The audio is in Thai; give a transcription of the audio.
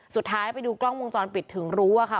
สุดท้ายไปดูกล้องวงจรปิดถึงรู้ว่าค่ะ